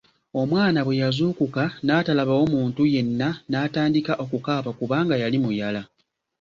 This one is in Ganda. Omwana bwe yazuukuka, n'atalabawo muntu yenna, n'atandika okukaaba kubanga yali muyala.